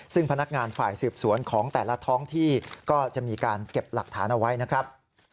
ซึ่งพนักงานฝ่ายสืบสวนของแต่ละท้องที่ก็จะมีการเก็บหลักฐานเอาไว้นะครับ